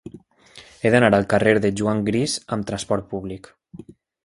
He d'anar al carrer de Juan Gris amb trasport públic.